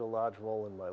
dan saya rasa